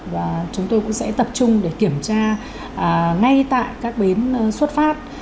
và chúng tôi cũng sẽ tập trung để kiểm tra ngay tại các bến xuất phát